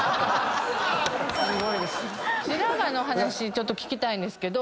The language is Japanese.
ちょっと聞きたいんですけど。